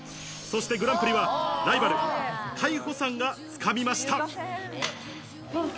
そしてグランプリはライバル海保さんが掴みました。